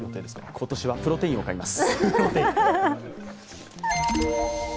今年はプロテインを買います。